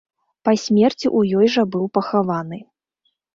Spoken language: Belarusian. Па смерці ў ёй жа быў пахаваны.